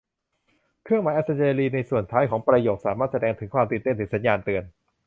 เครื่องหมายอัศเจรีย์ในส่วนท้ายของประโยคสามารถแสดงถึงความตื่นเต้น หรือสัญญาณเตือน